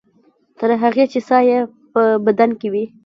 تر هغې چې ساه یې په بدن کې وي.